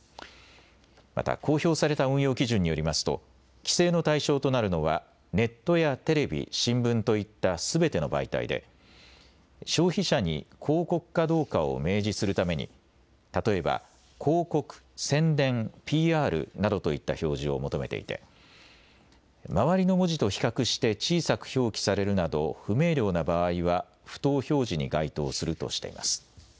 また公表された運用基準によりますと規制の対象となるのはネットやテレビ、新聞といったすべての媒体で消費者に広告かどうかを明示するために例えば広告、宣伝、ＰＲなどといった表示を求めていて周りの文字と比較して小さく表記されるなど不明瞭な場合は不当表示に該当するとしています。